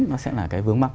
nó sẽ là cái vướng mắt